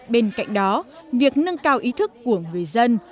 bên cạnh đó việc nâng cao ý thức của người dân